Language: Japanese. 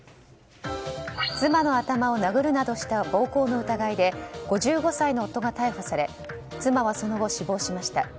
妻の頭を殴るなどした暴行の疑いで５５歳の夫が逮捕され妻はその後、死亡しました。